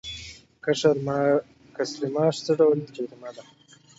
کسر معاش څه ډول جریمه ده؟